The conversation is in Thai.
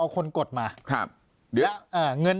ปากกับภาคภูมิ